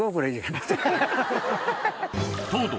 糖度